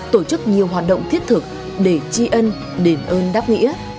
tổ chức nhiều hoạt động thiết thực để tri ân đền ơn đáp nghĩa